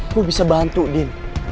gue bisa bantu din